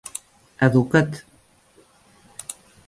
Educa't.